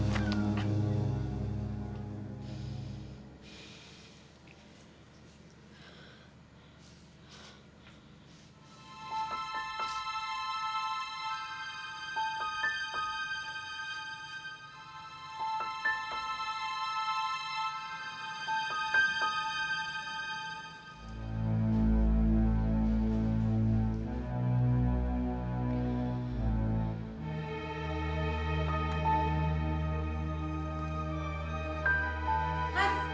dia enggak seperti yang kamu bayangin